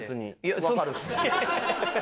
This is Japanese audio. わかるし。